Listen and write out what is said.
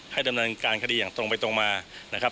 ให้ดำเนินการคดีอย่างตรงไปตรงมา